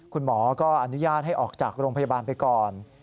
คุณหมอก็อนุญาตให้ออกจากโรงพยาบาลไปก่อน